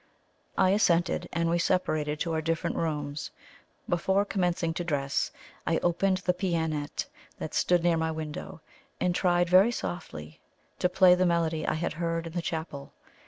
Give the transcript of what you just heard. I assented, and we separated to our different rooms. Before commencing to dress I opened the pianette that stood near my window, and tried very softly to play the melody I had heard in the chapel.